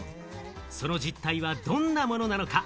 その実態はどんなものなのか？